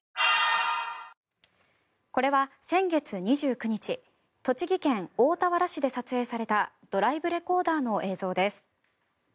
これは、先月２９日栃木県大田原市で撮影されたドライブレコーダーの映像です。